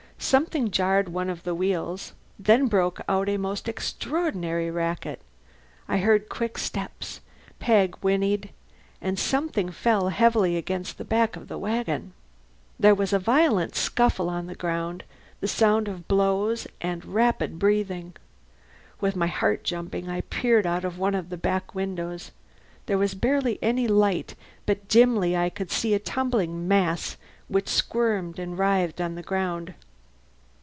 Something jarred one of the wheels. Then broke out a most extraordinary racket. I heard quick steps, Peg whinneyed, and something fell heavily against the back of the wagon. There was a violent scuffle on the ground, the sound of blows, and rapid breathing. With my heart jumping I peered out of one of the back windows. There was barely any light, but dimly I could see a tumbling mass which squirmed and writhed on the ground.